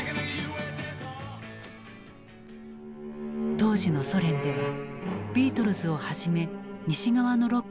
当時のソ連ではビートルズをはじめ西側のロックは禁じられていた。